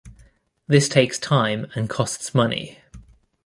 This takes time and costs money.